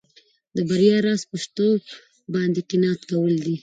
د بریا راز په شتو باندې قناعت کول دي.